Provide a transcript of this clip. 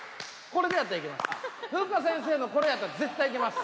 これでやったらいけます。